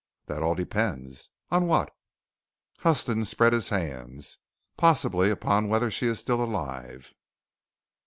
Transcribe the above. "That all depends." "On what?" Huston spread his hands. "Possibly upon whether she is still alive."